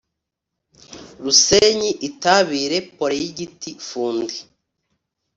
RusenyiItabire Proyegiti Fundi